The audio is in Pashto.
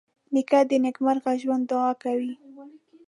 نیکه د نېکمرغه ژوند دعا کوي.